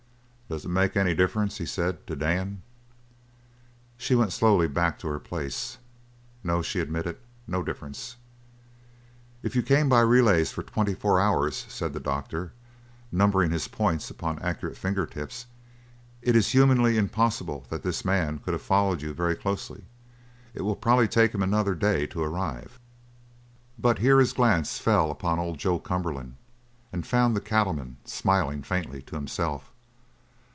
"Does it make any difference," he said, "to Dan?" She went slowly back to her place. "No," she admitted, "no difference." "If you came by relays for twenty four hours," said the doctor, numbering his points upon accurate fingertips, "it is humanly impossible that this man could have followed you very closely. It will probably take him another day to arrive." But here his glance fell upon old Joe Cumberland, and found the cattleman smiling faintly to himself.